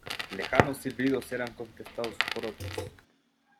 lejanos silbidos eran contestados por otros: